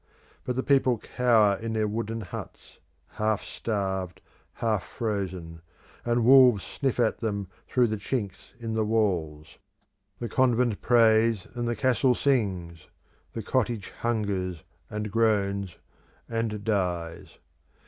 But the people cower in their wooden huts, half starved, half frozen, and wolves sniff at them through the chinks in the walls. The convent prays, and the castle sings: the cottage hungers, and groans, and dies.